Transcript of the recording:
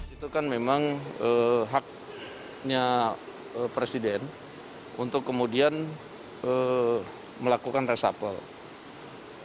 itu kan memang haknya presiden untuk kemudian melakukan resapel